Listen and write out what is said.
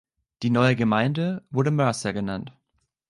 Die neue Gemeinde wurde Mercer genannt.